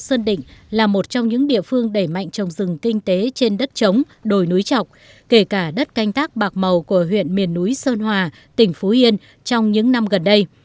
sơn định là một trong những địa phương đẩy mạnh trồng rừng kinh tế trên đất trống đồi núi trọc kể cả đất canh tác bạc màu của huyện miền núi sơn hòa tỉnh phú yên trong những năm gần đây